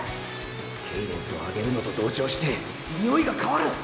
ケイデンスを上げるのと同調してニオイが変わる！